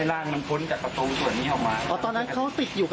สานะอย่าท้าเขาติดดูเลย